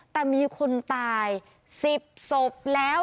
แต่มีคนตาย๑๐ศพแล้ว